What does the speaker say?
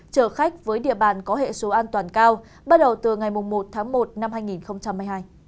chở khách với địa bàn có hệ số an toàn cao bắt đầu từ ngày một tháng một năm hai nghìn hai mươi hai